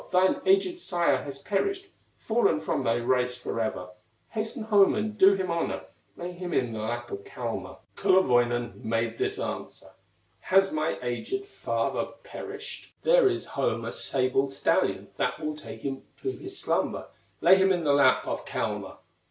thine aged sire has perished, Fallen from thy race forever; Hasten home and do him honor, Lay him in the lap of Kalma." Kullerwoinen made this answer: "Has my aged father perished, There is home a sable stallion That will take him to his slumber, Lay him in the lap of Kalma."